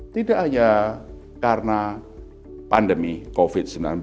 tidak hanya karena pandemi covid sembilan belas